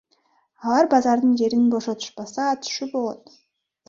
Алар базардын жерин бошотушпаса атышуу болот.